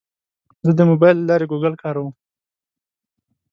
زه د موبایل له لارې ګوګل کاروم.